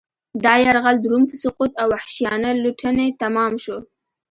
دا یرغل د روم په سقوط او وحشیانه لوټنې تمام شو